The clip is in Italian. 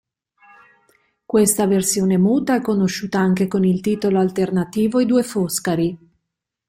Questa versione muta è conosciuta anche con il titolo alternativo "I due Foscari".